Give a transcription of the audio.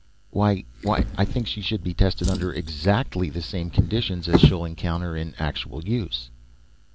"Why ... why I think she should be tested under exactly the same conditions as she'll encounter in actual use."